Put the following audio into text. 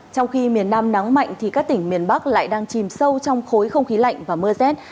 trong khi miền nam nắng mạnh thì các tỉnh miền bắc lại đang chìm sâu trong khối không khí lạnh và mưa rét